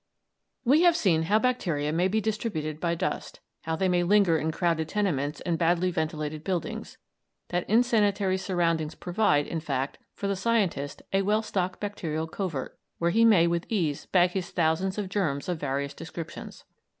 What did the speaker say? We have seen how bacteria may be distributed by dust, how they may linger in crowded tenements and badly ventilated buildings, that insanitary surroundings provide, in fact, for the scientist a well stocked bacterial covert, where he may with ease bag his thousands of germs of various descriptions.